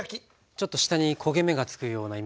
ちょっと下に焦げ目がつくようなイメージ。